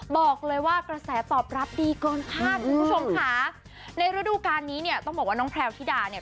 บอกเลยว่ากระแสตอบรับดีเกินคาดคุณผู้ชมค่ะในฤดูการนี้เนี่ยต้องบอกว่าน้องแพลวธิดาเนี่ย